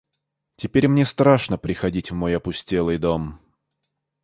Теперь мне страшно приходить в мой опустелый дом.